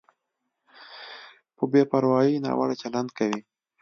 په بې پروایۍ ناوړه چلند کوي.